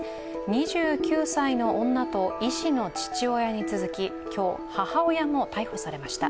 ２９歳の女と医師の父親に続き、今日、母親も逮捕されました。